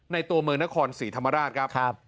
ตัวเมืองนครศรีธรรมราชครับ